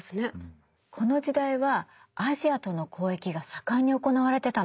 この時代はアジアとの交易が盛んに行われてたの。